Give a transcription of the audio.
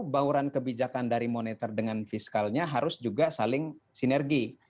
bauran kebijakan dari monitor dengan fiskalnya harus juga saling sinergi